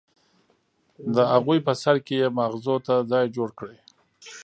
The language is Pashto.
د اغوئ په سر کې يې ماغزو ته ځای جوړ کړی.